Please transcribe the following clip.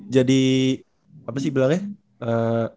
jadi apa sih bilangnya